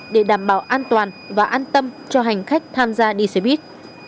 để đảm bảo an toàn và an tâm cho hành khách tham gia đi xe buýt